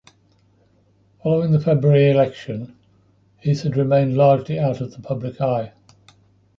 Following the February election Heath had remained largely out of the public eye.